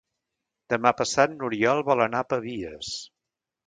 Demà passat n'Oriol vol anar a Pavies.